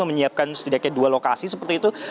menyiapkan setidaknya dua lokasi seperti itu